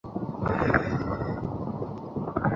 আর এটা তাদেরকে আরও বিপজ্জনক করেছে।